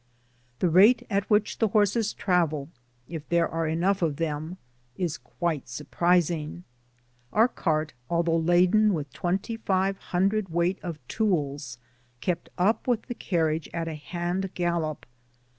The rate at which the horses travel (if there are Digitized byGoogk etiough oi them) is quite surprising. Our cart, filthough kden with twenty five hundred Weight erf tools, kept lip with the carriage at a hand gallop.